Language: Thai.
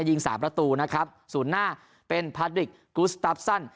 ยิง๓ประตูนะครับสู่หน้าเป็นพาดริกกรูสตาฟซัน